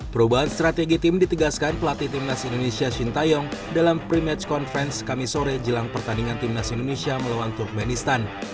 perubahan strategi tim ditegaskan pelatih timnas indonesia shin taeyong dalam prematch conference kami sore jelang pertandingan timnas indonesia melawan turkmenistan